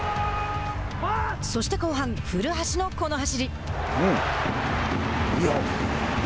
そして後半古橋のこの走り。